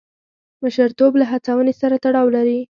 مشرتوب له هڅونې سره تړاو لري.